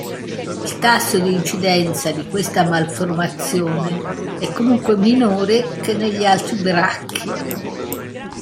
Il tasso di incidenza di questa malformazione è comunque minore che negli altri bracchi.